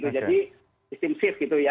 jadi sistem shift gitu ya